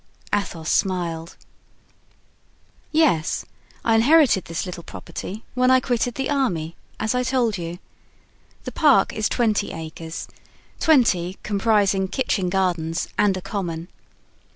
Athos smiled. "Yes, I inherited this little property when I quitted the army, as I told you. The park is twenty acres—twenty, comprising kitchen gardens and a common.